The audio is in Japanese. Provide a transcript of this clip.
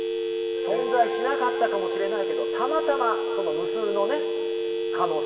存在しなかったかもしれないけどたまたまその無数のね可能性